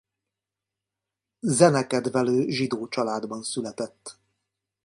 Zenekedvelő zsidó családban született.